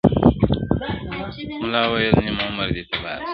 مُلا وویل نیم عمر دي تباه سو!!